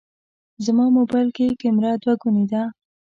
زما موبایل کې کمېره دوهګونې ده.